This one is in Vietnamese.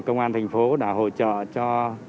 công an tp hcm đã hỗ trợ cho